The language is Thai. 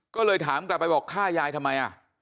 ก็เลยถามกลับไปบอกฆ่ายายทำไม